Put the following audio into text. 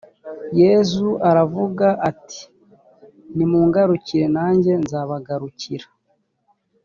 yezu aravuga ati nimungarukire nanjye nzabagarukira